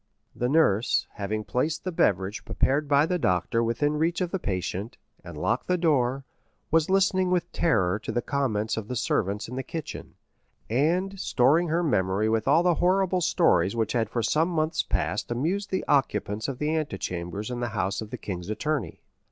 The nurse, having placed the beverage prepared by the doctor within reach of the patient, and locked the door, was listening with terror to the comments of the servants in the kitchen, and storing her memory with all the horrible stories which had for some months past amused the occupants of the antechambers in the house of the king's attorney.